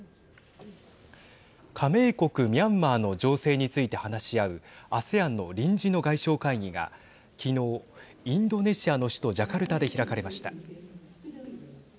加盟国ミャンマーの情勢について話し合うＡＳＥＡＮの臨時の外相会議が昨日、インドネシアの首都ジャカルタで開かれました。